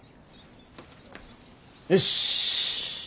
よし。